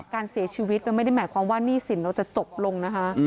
การเสียชีวิตมันไม่ได้หมายความว่าหนี้สินเราจะจบลงนะคะ